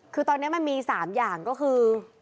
คือตอนนี้มันมี๓อย่างก็คือ